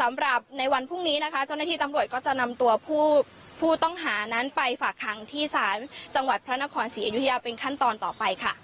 สำหรับในวันพรุ่งนี้นะคะเจ้าหน้าที่ตำรวจก็จะนำตัวผู้ต้องหานั้นไปฝากคังที่ศาลจังหวัดพระนครศรีอยุธยาเป็นขั้นตอนต่อไปค่ะ